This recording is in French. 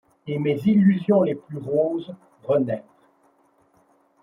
Et mes illusions les plus roses renaître